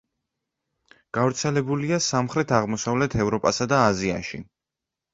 გავრცელებულია სამხრეთ-აღმოსავლეთ ევროპასა და აზიაში.